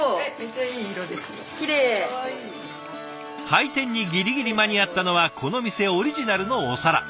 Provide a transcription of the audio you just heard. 開店にギリギリ間に合ったのはこの店オリジナルのお皿。